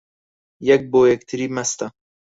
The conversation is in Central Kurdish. یەک بۆ یەکتری مەستە